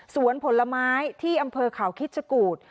สวนผลไม้ที่อำเภอข่าวคิดชะกูด